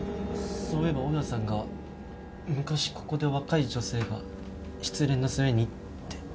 そういえば大家さんが昔ここで若い女性が失恋の末にって。